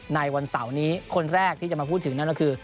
ในวันเสาร์นี้คนแรกที่จะมาพูดถึงนั่นก็คือ